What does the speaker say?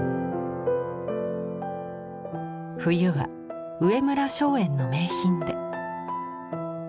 冬は上村松園の名品で。